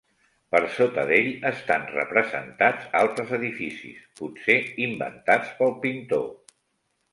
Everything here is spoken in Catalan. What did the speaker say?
Per sota d'ell, estan representats altres edificis, potser inventats pel pintor.